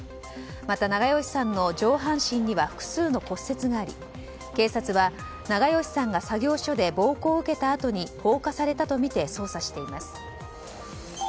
また、長葭さんの上半身には複数の骨折があり、警察は長葭さんが作業所で暴行を受けたあとに放火されたとみて捜査しています。